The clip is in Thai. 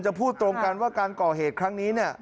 พูดตรงกันว่าการก่อเหตุครั้งนี้เนี่ย